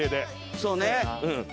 そうね。